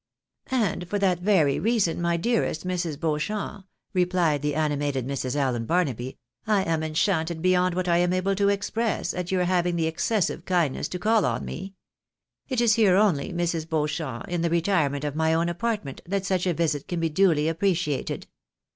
" And for that very reason, my dearest Mrs. Beauchamp," re plied the animated Mrs. Allen Barnaby, " I am enchanted beyond what I am able to express, at your having the excessive kindness to call on me. It is here only, Mrs. Beauchamp, in the retirement of my own apartment, that such a visit can be duly appreciated.